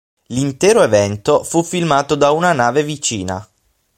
L'intero evento fu filmato da una nave vicina.